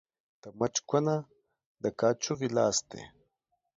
د مچ کونه ، د کاچوغي لاستى.